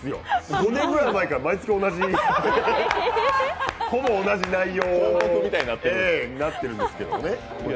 ５年ぐらい前から毎月ほぼ同じ内容になってるんですけどね。